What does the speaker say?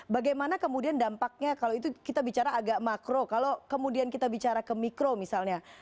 bagaimana kemudian dampaknya kalau itu kita bicara agak makro kalau kemudian kita bicara ke mikro misalnya